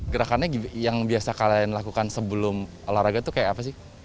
gerakannya yang biasa kalian lakukan sebelum olahraga tuh kayak apa sih